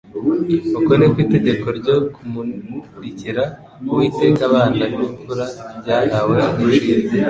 Uko niko itegeko ryo kumurikira Uwiteka abana b'imfura ryahawe agaciro